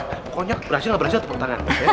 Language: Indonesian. pokoknya berhasil atau gak berhasil tepung tangan